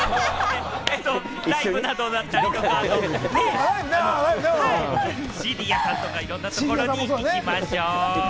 ライブなどだったり、ＣＤ屋さんとか、いろいろなところに行きましょう。